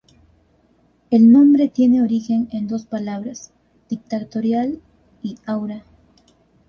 El nombre tiene origen en dos palabras: Dictatorial y Aura.